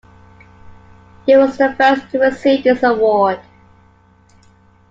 He was the first to receive this award.